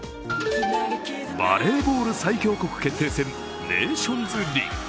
バレーボール最強国決定戦、ネーションズリーグ。